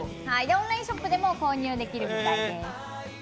オンラインショップでも購入できるみたいです。